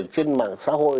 trên mạng xã hội